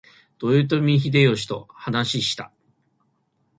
豊臣秀吉と話した。